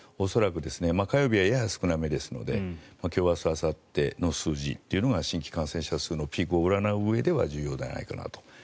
恐らく火曜日はやや少なめですので今日、明日、あさっての数字というのが新規感染者数のピークを占ううえでは重要ではないかなと。